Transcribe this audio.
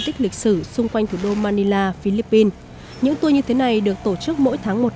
tích lịch sử xung quanh thủ đô manila philippines những tour như thế này được tổ chức mỗi tháng một